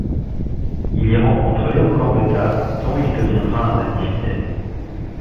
Il y rencontre Léon Gambetta dont il deviendra un ami fidèle.